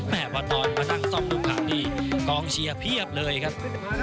มหาวะตอนมาตั้งซ่อมนุมขับที่กองเชียร์เพียบเลยครับ